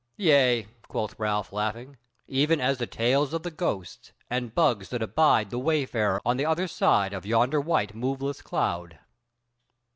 "Yea," quoth Ralph laughing, "even as the tales of the ghosts and bugs that abide the wayfarer on the other side of yonder white moveless cloud."